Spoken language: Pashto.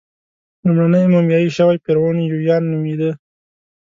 لومړنی مومیایي شوی فرعون یویا نومېده.